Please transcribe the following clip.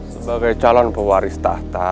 sebagai calon pewaris tahta